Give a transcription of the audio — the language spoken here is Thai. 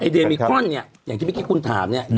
เดลมีคอนอย่างที่พี่กิดคุณถามเนี่ย